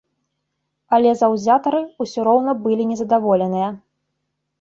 Але заўзятары ўсё роўна былі не задаволеныя.